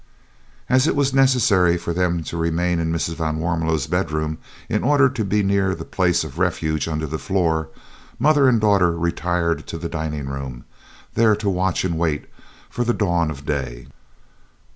As it was necessary for them to remain in Mrs. van Warmelo's bedroom in order to be near their place of refuge under the floor, mother and daughter retired to the dining room, there to watch and wait for the dawn of day.